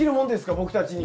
僕たちにも。